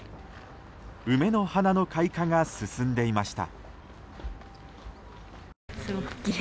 梅の花の開花が進んでいました。